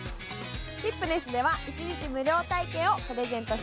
ティップネスでは一日無料体験をプレゼントしてます。